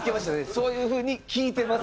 「そういう風に聞いてます」。